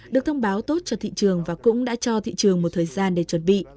được thông báo tốt cho thị trường và cũng đã cho thị trường một thời gian để chuẩn bị